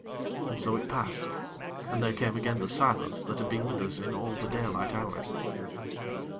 And so it passed, and there came again the silence that had been with us in all the daylight hours.